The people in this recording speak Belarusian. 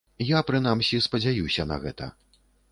Я, прынамсі, спадзяюся на гэта.